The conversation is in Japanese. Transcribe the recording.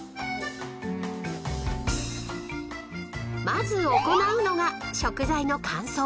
［まず行うのが食材の乾燥］